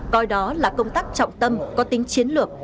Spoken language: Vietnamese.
coi đó là công tác trọng tâm có tính chiến lược